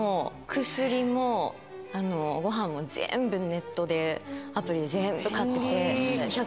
全部ネットでアプリで全部買ってて。